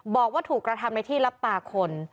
บอกว่าถูกกระทำในที่รับตาคน